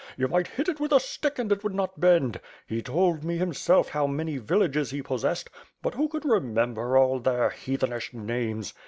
You might hit it with a stick and it would not bend. He told me hims If how many villages he possessed;* but who could remember all their heathenish names!